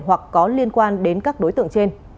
hoặc có liên quan đến các đối tượng trên